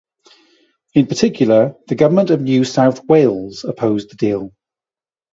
In particular the Government of New South Wales opposed the deal.